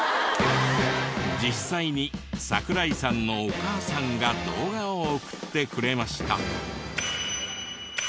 実際に桜井さんのお母さんが動画を送ってくれました。